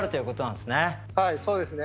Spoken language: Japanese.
はいそうですね。